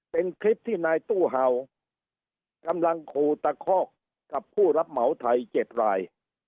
เป็นคลิปที่นายตู้เห่ากำลังขู่ตะคอกกับผู้รับเหมาไทย๗ราย